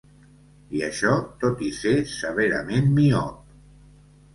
I això tot i ser severament miop.